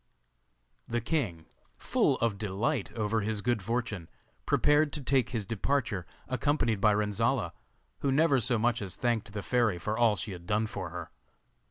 The king, full of delight over his good fortune, prepared to take his departure, accompanied by Renzolla, who never so much as thanked the fairy for all she had done for her.